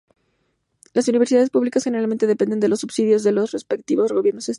Las universidades públicas generalmente dependen de los subsidios de sus respectivos gobiernos estatales.